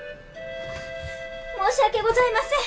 申し訳ございません。